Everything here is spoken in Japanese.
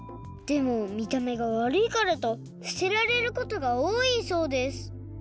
でもみためがわるいからとすてられることがおおいそうです。